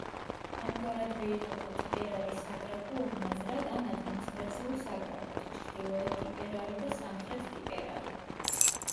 ამგვარადვე იყოფა ტიპერარის საგრაფო ორ მაზრად ან ადმინისტრაციულ საგრაფოდ: ჩრდილოეთ ტიპერარი და სამხრეთ ტიპერარი.